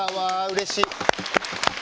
うれしい！